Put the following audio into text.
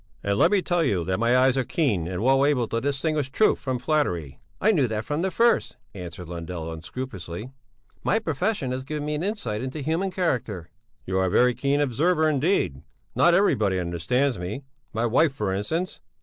"And let me tell you that my eyes are keen and well able to distinguish truth from flattery." "I knew that from the first," answered Lundell unscrupulously. "My profession has given me an insight into human character." "You are a very keen observer indeed. Not everybody understands me. My wife, for instance...."